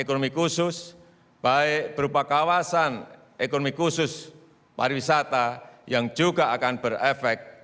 ekonomi khusus baik berupa kawasan ekonomi khusus pariwisata yang juga akan berefek